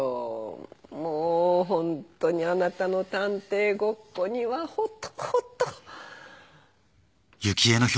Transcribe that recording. もうホントにあなたの探偵ごっこにはほとほと。